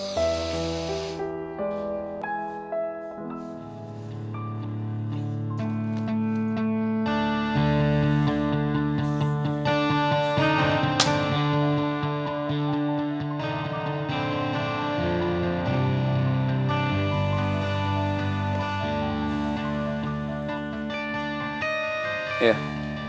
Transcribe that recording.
sampai jumpa lagi